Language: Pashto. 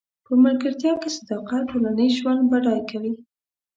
په ملګرتیا کې صداقت ټولنیز ژوند بډای کوي.